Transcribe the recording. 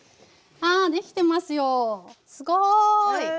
あできてますよすごい。